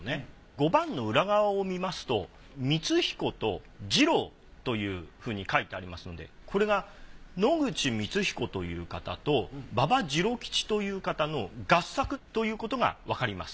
碁盤の裏側を見ますと光彦と治郎というふうに書いてありますのでこれが野口光彦という方と馬場治郎吉という方の合作ということがわかります。